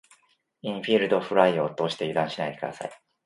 インフィールドフライを落として油断しないで下さい。